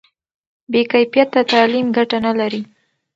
بې کیفیته تعلیم ګټه نه لري.